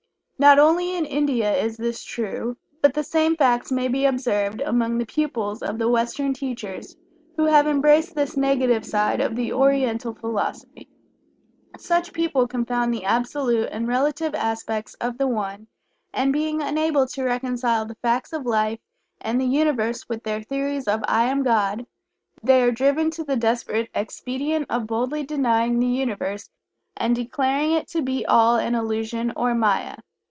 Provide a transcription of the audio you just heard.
Not only in India is this true, but the same facts may be observed among the pupils of the Western teachers who have embraced this negative side of the Oriental Philosophy. Such people confound the "Absolute" and "Relative" aspects of the One, and, being unable to reconcile the facts of Life and the Universe with their theories of "I Am God," they are driven to the desperate expedient of boldly denying the Universe, and declaring it to be all "an illusion" or "Maya."